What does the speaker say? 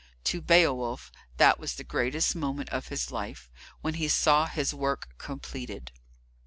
To Beowulf that was the greatest moment of his life, when he saw his work completed.